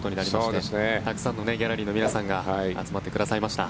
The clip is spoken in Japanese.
たくさんのギャラリーの皆さんが集まってくださいました。